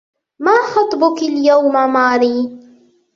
ما خطبكِ اليوم ماري؟